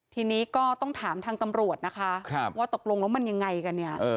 ทีนี้ก็ต้องถามทางตำรวจนะคะว่าตกลงแล้วมันยังไงกันเนี่ย